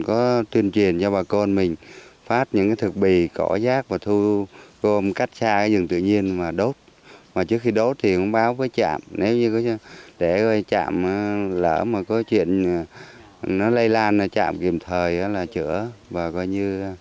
có chuyện nó lây lan nó chạm kìm thời là chữa và hỗ trợ cho người dân